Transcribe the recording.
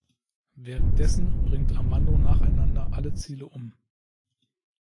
Währenddessen bringt Armando nacheinander alle Ziele um.